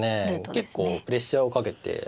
結構プレッシャーをかけていますね。